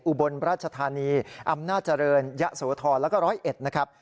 อุบลพระราชธานีอำนาจเจริญยะสวทรแล้วก็ร้อยเอ็ดนะครับ